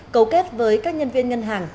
cấu kết với các nhân viên ngân hàng